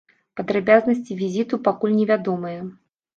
Падрабязнасці візіту пакуль невядомыя.